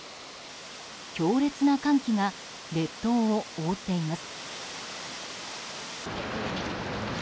強烈な寒気が列島を覆っています。